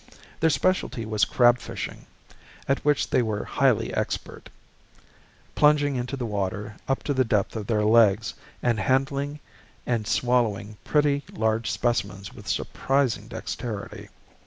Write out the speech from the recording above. Their specialty was crab fishing, at which they were highly expert, plunging into the water up to the depth of their legs, and handling and swallowing pretty large specimens with surprising dexterity.